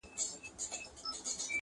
• منت واخله، ولي منت مکوه -